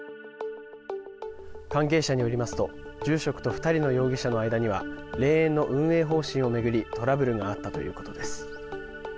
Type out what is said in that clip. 関係者によりますと住職と２人の容疑者の間には霊園の運営方針を巡りトラブルがあったということです。